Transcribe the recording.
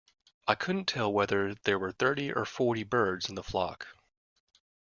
I couldn't tell whether there were thirty or forty birds in the flock